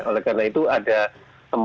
oleh karena itu ada